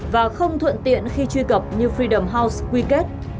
và không thuận tiện khi truy cập như fid house quy kết